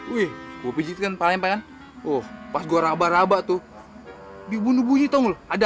wih gue pijitkan paling paling oh pas gua raba raba tuh dibunuh bunyi tong ada